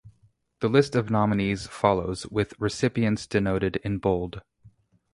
The list of nominees follows, with recipients denoted in bold.